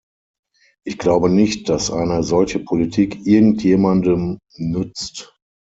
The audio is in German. Ich glaube nicht, dass eine solche Politik irgendjemandem nützt.